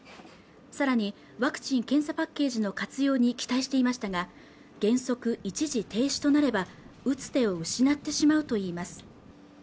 さらにワクチン検査パッケージの活用に期待していましたが原則一時停止となれば打つ手を失ってしまうといいます